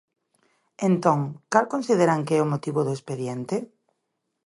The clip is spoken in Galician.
Entón, cal consideran que é o motivo do expediente?